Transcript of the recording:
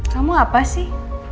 kamu apa sih